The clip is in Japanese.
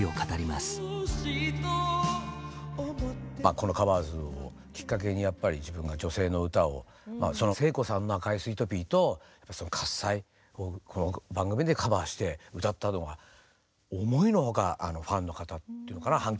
この「カバーズ」をきっかけにやっぱり自分が女性の歌を聖子さんの「赤いスイートピー」と「喝采」をこの番組でカバーして歌ったのが思いのほかファンの方っていうのかな反響もあったんですよね。